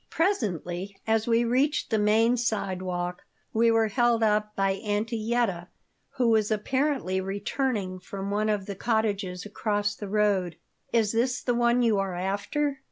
Presently, as we reached the main sidewalk, we were held up by Auntie Yetta, who was apparently returning from one of the cottages across the road "Is this the one you are after?"